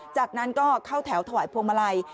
จากนั้นก็เข้าแถวถวายพวงมาลัย